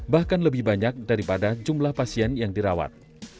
bahkan lebih banyak daripada jumlah pasien yang dirawat